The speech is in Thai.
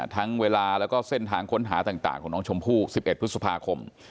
เวลาแล้วก็เส้นทางค้นหาต่างของน้องชมพู่๑๑พฤษภาคม